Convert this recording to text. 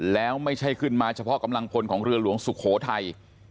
แล้วไม่ใช่ขึ้นมาเฉพาะกำลังพลของเรือหลวงสุโขทัย